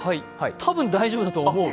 たぶん大丈夫だと思う。